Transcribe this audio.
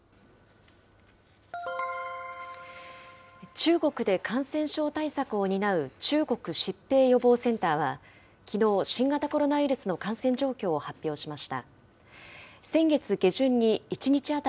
中国で感染症対策を担う中国疾病予防センターは、きのう、新型コロナウイルスの感染状況を発表しました。